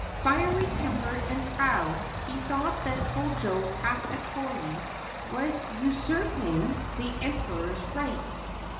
Fiery tempered and proud, he thought that Hojo Takatoki was usurping the Emperor's rights.